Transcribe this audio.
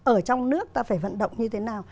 ở trong nước ta phải vận động như thế nào